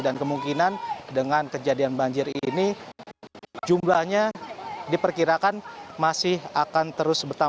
dan kemungkinan dengan kejadian banjir ini jumlahnya diperkirakan masih akan terus bertahan